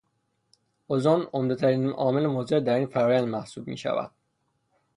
ازن عمدهترین عامل مضر در این فرآیند محسوب میشود.